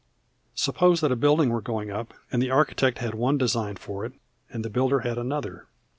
Suppose that a building were going up, and the architect had one design for it, and the builder had another.